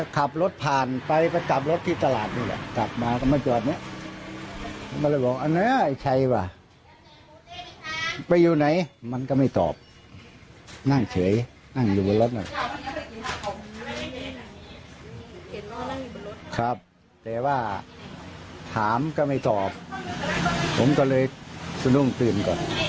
ครับแต่ว่าถามก็ไม่ตอบผมก็เลยสนุกตื่นก่อน